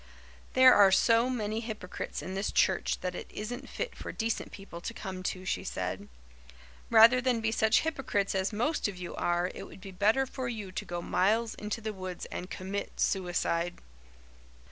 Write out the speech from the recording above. "There are so many hypocrites in this church that it isn't fit for decent people to come to," she said. "Rather than be such hypocrites as most of you are it would be better for you to go miles into the woods and commit suicide."